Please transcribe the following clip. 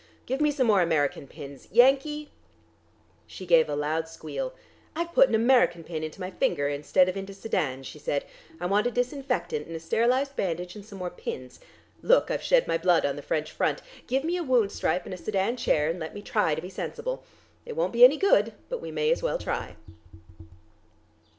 Give me some more American pins! Yankee " She gave a loud squeal. "I've put an American pin into my finger instead of into Sedan," she said. "I want a disinfectant and a sterilised bandage, and some more pins. Look, I've shed my blood on the French front. Give me a wound stripe and a Sedan chair, and let me try to be sensible. It won't be any good, but we may as well try."